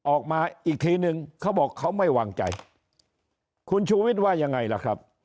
ออกมาอีกทีนึงเขาบอกเขาไม่วางใจคุณชูวิทย์ว่ายังไงล่ะครับ